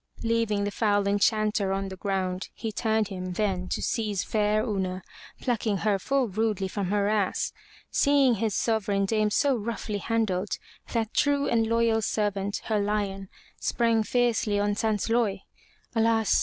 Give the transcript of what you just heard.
Leaving the foul enchanter on the ground, he turned him then to seize fair Una, plucking her full rudely from her ass. Seeing his sovereign dame so roughly handled, that true and loyal servant, her lion, sprang fiercely on Sansloy. Alas!